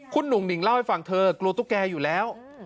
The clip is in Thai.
คุณหนุ่งหนิงเล่าให้ฟังเธอกลัวตุ๊กแกอยู่แล้ว